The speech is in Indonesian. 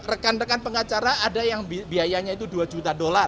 rekan rekan pengacara ada yang biayanya itu dua juta dolar